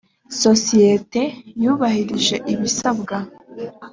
sosiyete yubahirije ibisabwa.